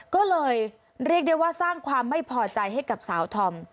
ก็เลยเรียกได้ว่าสร้างความไม่พอใจให้กับสาวธอม